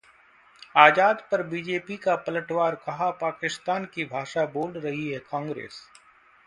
आजाद पर बीजेपी का पलटवार, कहा- पाकिस्तान की भाषा बोल रही है कांग्रेस